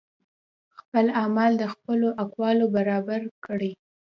خپل اعمال د خپلو اقوالو برابر کړئ